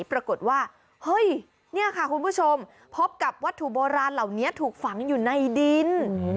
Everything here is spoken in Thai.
ปรากฏว่าเฮ้ยเนี่ยค่ะคุณผู้ชมพบกับวัตถุโบราณเหล่านี้ถูกฝังอยู่ในดิน